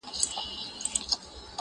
• گراني چي ستا سره خبـري كوم.